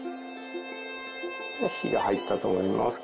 火が入ったと思います。